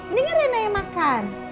ini kan rena yang makan